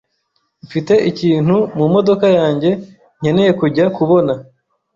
Mfite ikintu mumodoka yanjye nkeneye kujya kubona.